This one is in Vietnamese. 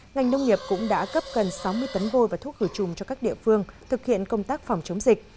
ngành nông nghiệp cũng đã cấp gần sáu mươi tấn vôi và thuốc khử trùng cho các địa phương thực hiện công tác phòng chống dịch